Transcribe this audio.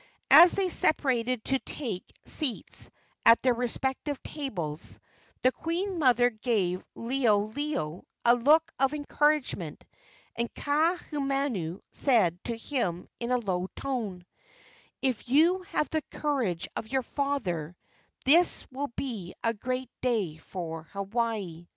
As they separated to take seats at their respective tables, the queen mother gave Liholiho a look of encouragement, and Kaahumanu said to him in a low tone: "If you have the courage of your father, this will be a great day for Hawaii."